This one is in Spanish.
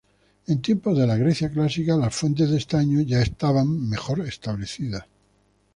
En tiempos de la Grecia clásica, las fuentes de estaño ya están mejor establecidas.